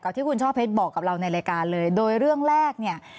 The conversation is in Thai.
ที่คุณช่อเพชรบอกกับเราในรายการเลยโดยเรื่องแรกเนี่ย